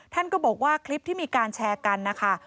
ท่านก็บอกว่าคลิปที่มีการแชร์กันนะคะ